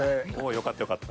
よかったよかった。